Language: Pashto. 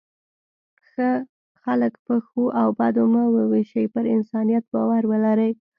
خلک په ښو او بدو مه وویشئ، پر انسانیت باور ولرئ.